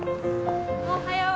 おはよう。